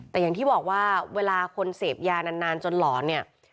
แต่อย่างที่บอกว่าเวลาคนเสพยานานจนหลอนเนี่ย